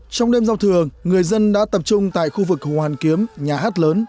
trong đêm giao thừa người dân đã tập trung tại khu vực hồ hoàn kiếm nhà hát lớn